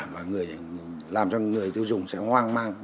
làm cho người tiêu dùng sẽ hoang mang